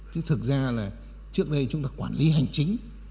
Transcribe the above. chứ thực ra là trước đây chúng ta quản lý hành chính